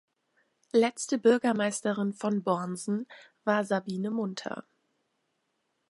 Letzte Bürgermeisterin von Bornsen war Sabine Munter.